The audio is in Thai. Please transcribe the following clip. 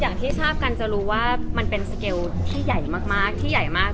อย่างที่ชาวกันจะรู้ว่ามันเป็นสเกลที่ใหญ่มาก